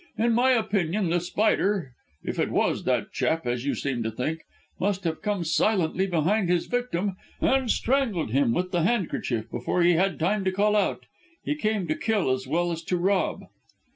In my opinion The Spider if it was that chap, as you seem to think must have come silently behind his victim, and strangled him with the handkerchief before he had time to call out. He came to kill as well as to rob."